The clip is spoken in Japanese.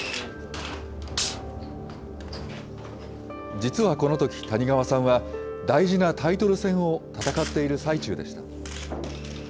実はこのとき、谷川さんは、大事なタイトル戦を戦っている最中でした。